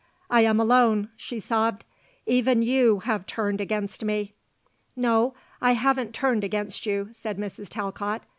I am alone," she sobbed. "Even you have turned against me." "No, I haven't turned against you," said Mrs. Talcott.